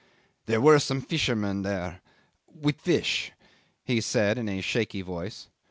"There were some fishermen there with fish," he said in a shaky voice.